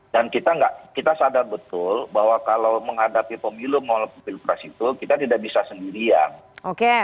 dan kita sadar betul bahwa kalau menghadapi pemilu pemilu pres itu kita tidak bisa sendirian